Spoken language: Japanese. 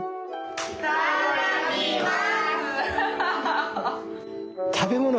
いただきます！